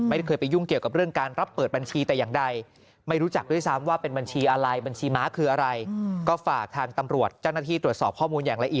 ไม่เคยไปยุ่งเกี่ยวกับเรื่องการรับเปิดบัญชีแต่อย่างใดไม่รู้จักด้วยซ้ำว่าเป็นบัญชีอะไรบัญชีม้าคืออะไรก็ฝากทางตำรวจเจ้าหน้าที่ตรวจสอบข้อมูลอย่างละเอียด